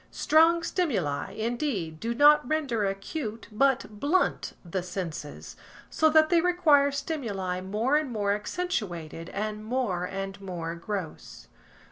Strong stimuli, indeed, do not render acute, but blunt the senses, so that they require stimuli more and more accentuated and more and more gross.